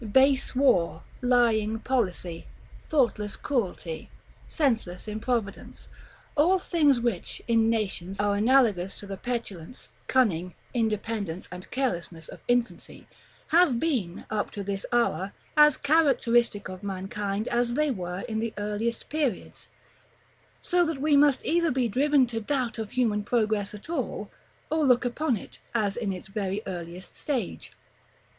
Base war, lying policy, thoughtless cruelty, senseless improvidence, all things which, in nations, are analogous to the petulance, cunning, impatience, and carelessness of infancy, have been, up to this hour, as characteristic of mankind as they were in the earliest periods; so that we must either be driven to doubt of human progress at all, or look upon it as in its very earliest stage.